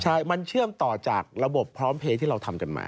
ใช่มันเชื่อมต่อจากระบบพร้อมเพลย์ที่เราทำกันมา